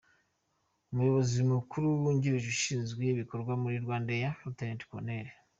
Umuyobozi Mukuru wungirije ushinzwe Ibikorwa muri RwandAir, Lt.Col.